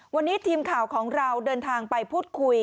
วันนี้ทีมข่าวของเราเดินทางไปพูดคุย